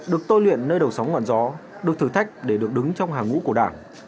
được tôi luyện nơi đầu sóng ngọn gió được thử thách để được đứng trong hàng ngũ của đảng